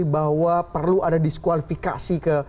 bahwa perlu ada diskualifikasi ke